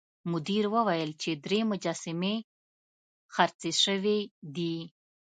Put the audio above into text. مدیر وویل چې درې مجسمې خرڅې شوې دي.